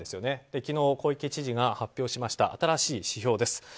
昨日、小池知事が発表しました新しい指標です。